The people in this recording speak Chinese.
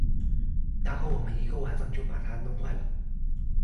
然后我们一个晚上就把它弄坏了